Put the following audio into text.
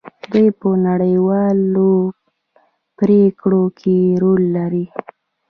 دوی په نړیوالو پریکړو کې رول لري.